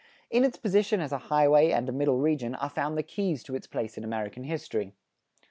In its position as a highway and a Middle Region are found the keys to its place in American history.